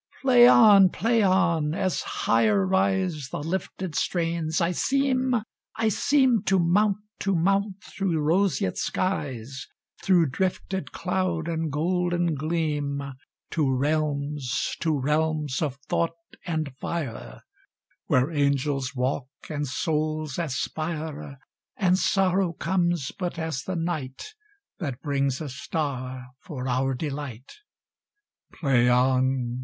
Play on! Play on! As higher riseThe lifted strains, I seem, I seemTo mount, to mount through roseate skies, Through drifted cloud and golden gleam, To realms, to realms of thought and fire, Where angels walk and souls aspire, And sorrow comes but as the nightThat brings a star for our delight. Play on!